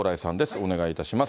お願いいたします。